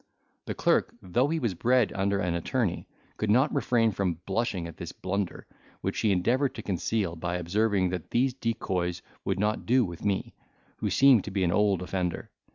The clerk, though he was bred under an attorney, could not refrain from blushing at this blunder, which he endeavoured to conceal, by observing, that these decoys would not do with me, who seemed to be an old offender.